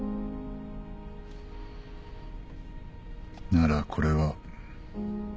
ならこれは。